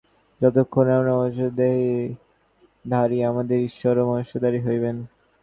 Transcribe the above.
তিনি এরূপ হইতে বাধ্য, কারণ যতক্ষণ আমরা মনুষ্যদেহধারী, আমাদের ঈশ্বরও মনুষ্যরূপী হইবেন।